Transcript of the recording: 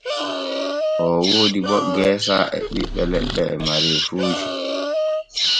O woodi bo geesa ɓiɓɓe leɗɗe e mareefuuji.